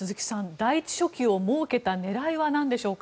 第１書記を設けた狙いは何なんでしょうか？